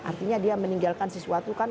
artinya dia meninggalkan sesuatu kan